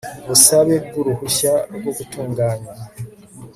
busabe bw uruhushya rwo gutunganya